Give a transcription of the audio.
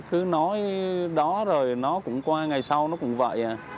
cứ nói đó rồi nó cũng qua ngày sau nó cũng vậy à